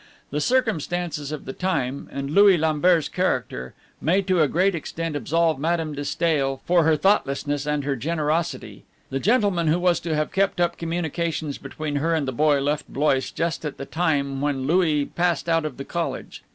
The circumstances of the time, and Louis Lambert's character, may to a great extent absolve Madame de Stael for her thoughtlessness and her generosity. The gentleman who was to have kept up communications between her and the boy left Blois just at the time when Louis passed out of the college.